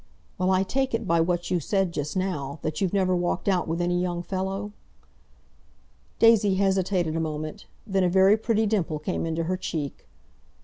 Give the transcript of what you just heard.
"Well, I take it, by what you said just now, that you've never walked out with any young fellow?" Daisy hesitated a moment; then a very pretty dimple came into her cheek.